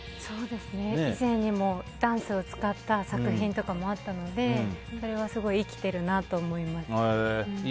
以前にもダンスを使った作品とかもあったのでそれはすごい生きてるなと思います。